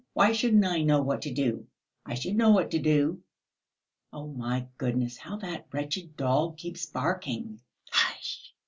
Why shouldn't I know what to do? I should know what to do." "Oh, my goodness, how that wretched dog keeps barking!" "Hush!